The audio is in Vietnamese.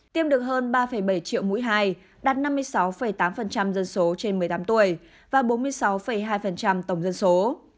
tiêm được hơn ba bảy triệu mũi hai đạt năm mươi sáu tám dân số trên một mươi tám tuổi và bốn mươi sáu hai tổng dân số